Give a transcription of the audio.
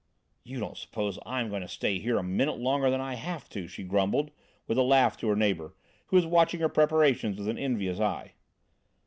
"You don't suppose I'm going to stay here a minute longer than I have to," she grumbled with a laugh to her neighbour, who was watching her preparations with an envious eye.